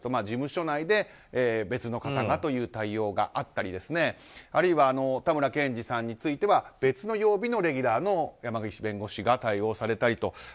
事務所内で別の方がという対応があったりあるいはたむらけんじさんについては別の曜日のレギュラーを山口弁護士が対応されたりと。